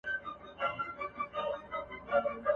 نه مي لاس د چا په وینو دی لړلی !.